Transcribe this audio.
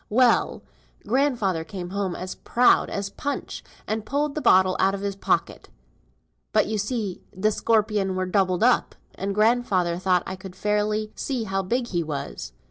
"Well! grandfather came home as proud as Punch, and pulled the bottle out of his pocket. But you see th' scorpion were doubled up, and grandfather thought I couldn't fairly see how big he was.